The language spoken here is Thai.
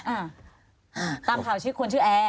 ตามข่าวชื่อคุณชื่อแอร์